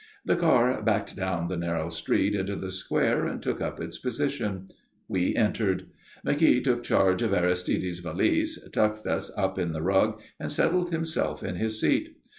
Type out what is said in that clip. The car backed down the narrow street into the square and took up its position. We entered. McKeogh took charge of Aristide's valise, tucked us up in the rug, and settled himself in his seat.